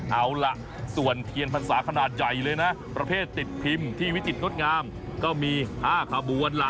เอาล่ะส่วนเทียนพรรษาขนาดใหญ่เลยนะประเภทติดพิมพ์ที่วิจิตรงดงามก็มี๕ขบวนล่ะ